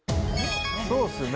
そうっすね。